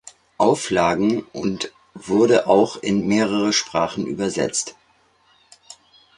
Auflagen und wurde auch in mehrere Sprachen übersetzt.